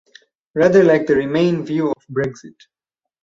Rather like the Remain view of Brexit.